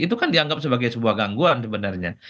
itu kan dianggap sebagai sebuah gangguan sebenarnya